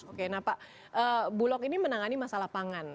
oke nah pak bulog ini menangani masalah pangan